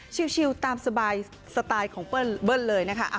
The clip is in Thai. ชิลตามสบายของเปิ้ลเลยนะคะ